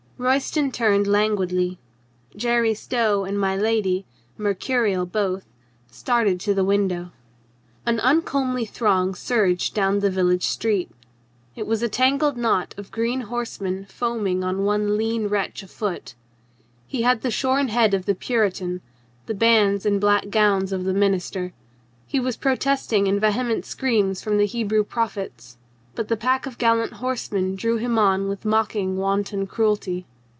Royston turned languidly. Jerry Stow and my lady, mercurial both, started to the window. An uncomely throng surged down the village i8 COLONEL GREATHEART street. It was a tangled knot of green horsemen foaming on one lean wretch afoot. He had the shorn head of the Puritan, the bands and black gown of the minister. He was protesting in vehement screams from the Hebrew prophets. But the pack of gallant horsemen drove him on with mocking wanton cruelty.